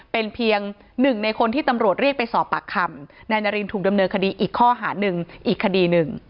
เป็นเพียงหนึ่งในคนที่ตำรวจเรียกไปสอบปากคำนายนารินถูกดำเนินคดีอีกข้อหาหนึ่งอีกคดีหนึ่ง